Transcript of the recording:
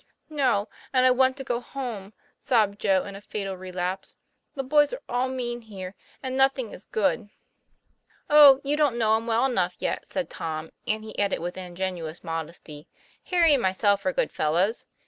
'No; and I want to go home," sobbed Joe, in a fatal relapse. 'The boys are all mean here; and nothing is good." "Oh, you don't know 'em well enough )%t," said Tom ; and he added with ingenuous modesty, " Harry and myself are good fellows.